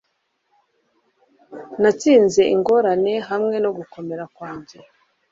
natsinze ingorane hamwe no gukomera kwanjye